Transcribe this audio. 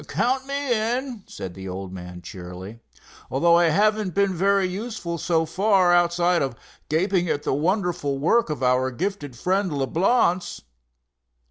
"Count me in," said the old man, cheerily, "although I haven't been very useful so far outside of gaping at the wonderful work of our gifted friend, Leblance."